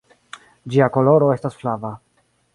Ĝia koloro estas flava.